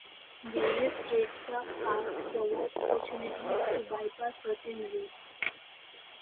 Various Tradecraft cards provide opportunities to bypass certain rules.